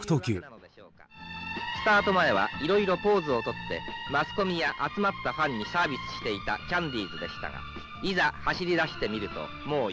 「スタート前はいろいろポーズをとってマスコミや集まったファンにサービスしていたキャンディーズでしたがいざ走り出してみるともうヨレヨレ」。